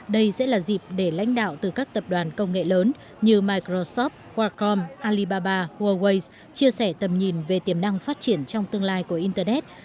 đây sẽ là dịp để lãnh đạo từ các tập đoàn công nghệ lớn như microsoft qualcom alibaba huawei chia sẻ tầm nhìn về tiềm năng phát triển trong tương lai của internet